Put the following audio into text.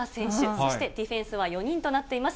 そしてディフェンスは４人となっています。